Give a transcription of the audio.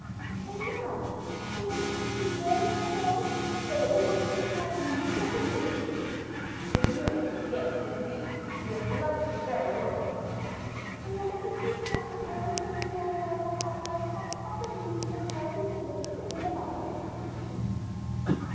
"And now, after your majesty really heard all, are you able to think I abused your credibility?" "Credulity; yes, indeed, you have selected the very word." "And your majesty did not suppose that a poor girl like myself might possibly be compelled to submit to the will of others?"